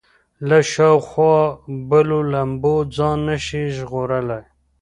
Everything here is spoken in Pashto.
له شاوخوا بلو لمبو ځان نه شي ژغورلی.